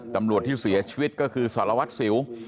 ตำรวจที่เสียชีวิตก็คือสารวัตรสิว